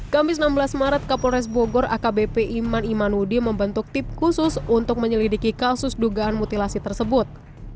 kamis enam belas maret kapolres bogor akbp iman imanudi membentuk tip khusus untuk menyelidiki kasus dugaan mutilasi tersebut